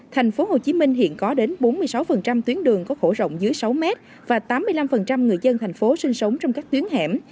tp hcm hiện có đến bốn mươi sáu tuyến đường có khổ rộng dưới sáu mét và tám mươi năm người dân thành phố sinh sống trong các tuyến hẻm